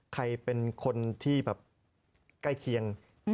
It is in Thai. ใครเป็นคนที่แบบใกล้เคียง